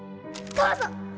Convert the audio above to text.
どうぞ！